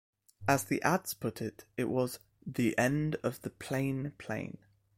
As the ads put it, it was "The End of the Plain Plane".